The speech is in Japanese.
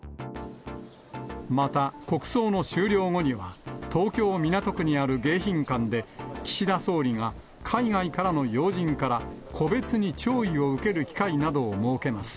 また国葬の終了後には、東京・港区にある迎賓館で、岸田総理が海外からの要人から個別に弔意を受ける機会などを設けます。